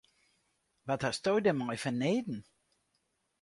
Wat hasto dêrmei fanneden?